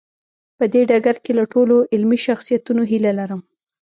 په دې ډګر کې له ټولو علمي شخصیتونو هیله لرم.